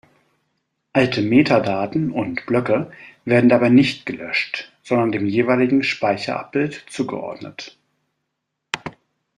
Alte Metadaten und Blöcke werden dabei nicht gelöscht, sondern dem jeweiligen Speicherabbild zugeordnet.